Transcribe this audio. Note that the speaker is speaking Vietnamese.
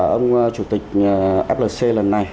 ông chủ tịch flc lần này